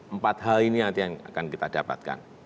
empat hal ini nanti yang akan kita dapatkan